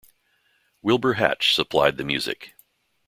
Wilbur Hatch supplied the music.